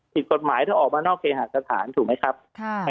ผิดกฎหมายถ้าออกมานอกเคหาสถานถูกไหมครับ